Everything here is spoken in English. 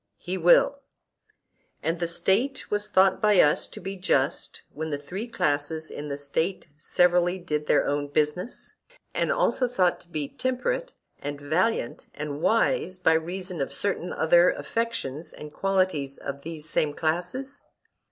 He will. And a State was thought by us to be just when the three classes in the State severally did their own business; and also thought to be temperate and valiant and wise by reason of certain other affections and qualities of these same classes?